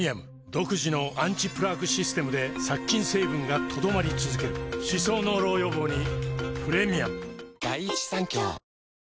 独自のアンチプラークシステムで殺菌成分が留まり続ける歯槽膿漏予防にプレミアム